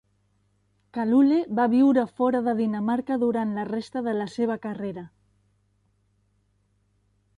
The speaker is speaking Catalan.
Kalule va viure fora de Dinamarca durant la resta de la seva carrera.